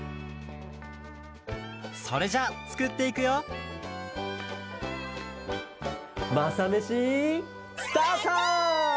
それじゃあつくっていくよ「マサメシ」。